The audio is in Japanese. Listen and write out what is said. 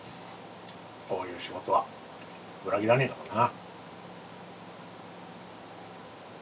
こういう仕事は裏切らねえからな。